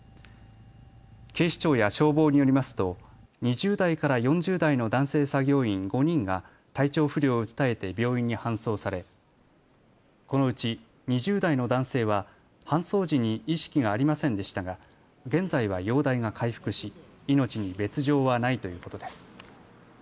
警視庁や消防によりますと２０代から４０代の男性作業員５人が体調不良を訴えて病院に搬送されこのうち２０代の男性は搬送時に意識がありませんでしたが現在は容体が回復し命に別状はないということです。